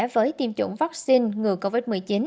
với tiêm chủng vaccine ngừa covid một mươi chín